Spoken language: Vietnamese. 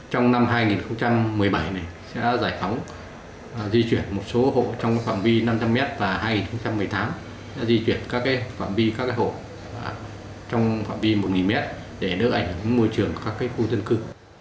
trong năm hai nghìn một mươi bảy sẽ giải phóng di chuyển một số hộ trong phạm vi năm trăm linh mét và hai nghìn một mươi tám sẽ di chuyển các hộ trong phạm vi một mét để đỡ ảnh hưởng môi trường các khu dân cư